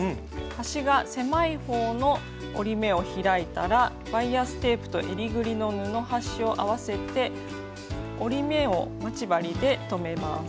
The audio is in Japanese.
端が狭い方の折り目を開いたらバイアステープとえりぐりの布端を合わせて折り目を待ち針で留めます。